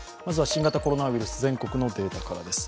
新型コロナウイルス全国のデータからです。